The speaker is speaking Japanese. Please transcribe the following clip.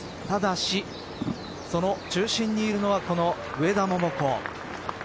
ただしその中心にいるのは上田桃子。